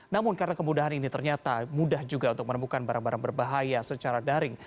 namun karena kemudahan ini ternyata mudah juga untuk menemukan barang barang berbahaya secara daring